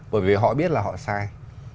bởi vì họ biết là họ sai